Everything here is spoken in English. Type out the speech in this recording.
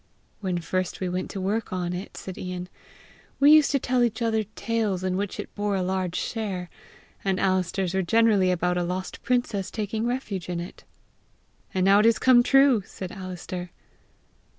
"When first we went to work on it," said Ian, "we used to tell each other tales in which it bore a large share, and Alister's were generally about a lost princess taking refuge in it!" "And now it is come true!" said Alister.